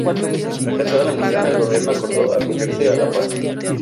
Fracasada la misión, el gobierno acordó acogerse a la paz.